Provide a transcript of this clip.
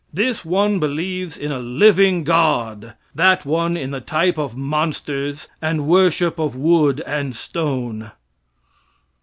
This one believes in a living God; that one in the type of monsters and worship of wood and stone.